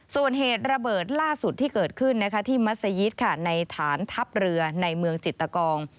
ส่วนเหตุระเบิดล่าสุดที่เกิดขึ้นที่มัศยิตในฐานทัพเรือในเมืองจิตกอง